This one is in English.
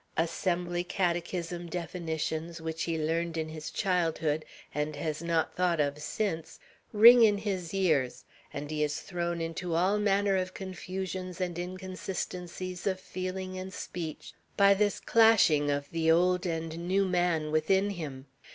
Assembly Catechism definitions, which he learned in his childhood, and has not thought of since, ring in his ears, and he is thrown into all manner of confusions and inconsistencies of feeling and speech by this clashing of the old and new man within him.